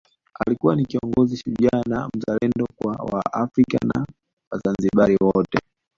Alikuwa ni kiongozi shujaa na mzalendo kwa wa Afrika na wazanzibari wote